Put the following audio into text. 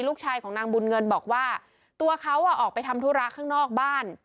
ลูกชายของนางบุญเงินบอกว่าตัวเขาออกไปทำธุระข้างนอกบ้าน